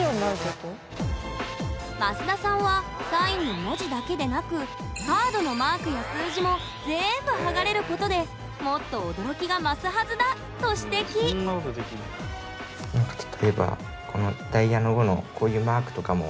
益田さんはサインの文字だけでなくカードのマークや数字も全部剥がれることでもっと驚きが増すはずだと指摘ほんまやね